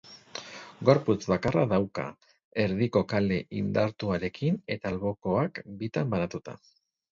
Gorputz bakarra dauka, erdiko kale indartuarekin eta albokoak bitan banatuta.